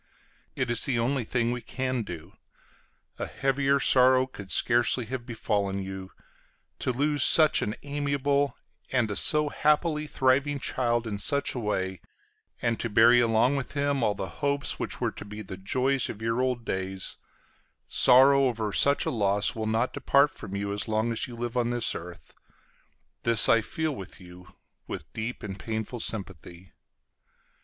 It is the only thing we can do. A heavier sorrow could scarcely have befallen you. To lose such an amiable and a so happily thriving child in such a way, and to bury along with him all the hopes which were to be the joys of your old days, sorrow over such a loss will not depart from you as long as you live on this earth; this I feel with you, with deep and painful sympathy.